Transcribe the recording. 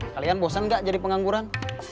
kalian bosan gak jadi pengangguran